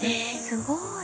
すごい。